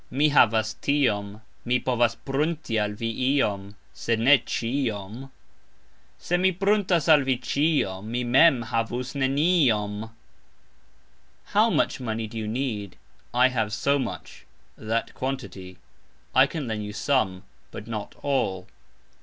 Mi havas "tiom", mi povas prunti al vi "iom", sed ne "cxiom". Se mi pruntus al vi "cxiom", mi mem havus "neniom". "How much" money do you need ? I have "so much (that quantity)", I can lend you "some", but not "all".